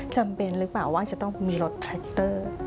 จำเป็นหรือเปล่าว่าจะต้องมีรถแทรคเตอร์